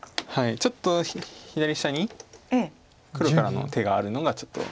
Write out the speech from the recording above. ちょっと左下に黒からの手があるのがちょっと。